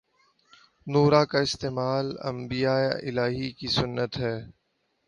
نورہ کا استعمال انبیائے الہی کی سنت